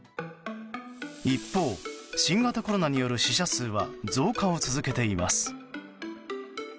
一方、新型コロナによる死者数は増加を続けています。